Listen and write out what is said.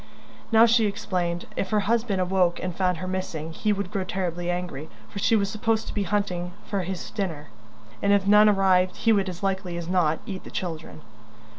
Now, she explained, if her husband awoke and found her missing he would grow terribly angry, for she was supposed to be hunting food for his dinner, and if none arrived he would as likely as not eat the children.